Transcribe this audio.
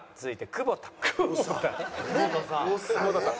久保田さん。